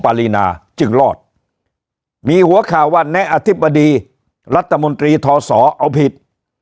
ปรินาจึงรอดมีหัวข่าวว่าแนะอธิบดีรัฐมนตรีทศเอาผิด